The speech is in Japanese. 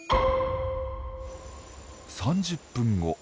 ３０分後。